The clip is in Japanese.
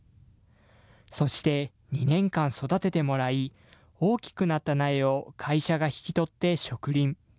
そして、２年間育ててもらい、大きくなった苗を会社が引き取って植林。